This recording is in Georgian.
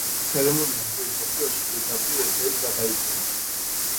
ცერემონია მთელ მსოფლიოში პირდაპირი ეთერით გადაიცემა.